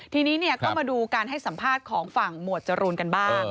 ทีนี้ก็มาดูการให้สัมภาษณ์ของฝั่งหมวดจรูนกันบ้าง